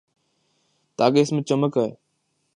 تاکہ اس میں چمک آئے۔